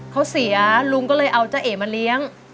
เขาเสียลุงก็เลยเอาจ้าเอ๋มาเลี้ยง